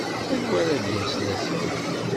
Anwa ara d-yasen azekka?